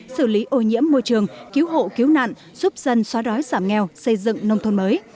xử lý ô nhiễm môi trường cứu hộ cứu nạn giúp dân xóa đói giảm nghèo xây dựng nông thôn mới